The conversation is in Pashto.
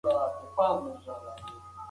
د افغانستان زعفران په نړۍ کې بې ساری دی.